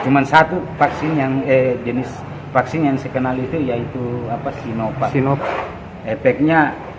maksudnya enak tidurnya